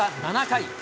７回。